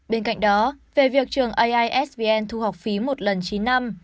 bên cạnh đó về việc trường aisvn thu học phí một lần chín năm